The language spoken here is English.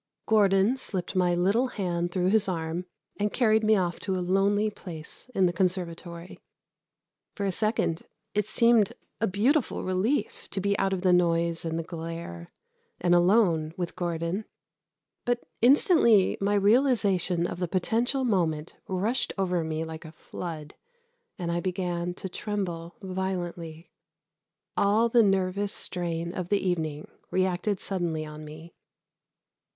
Gordon slipped my little hand through his arm and carried me off to a lonely place in the conservatory. For a second it seemed a beautiful relief to be out of the noise and the glare and alone with Gordon. But instantly my realization of the potential moment rushed over me like a flood, and I began to tremble violently. All the nervous strain of the evening reacted suddenly on me.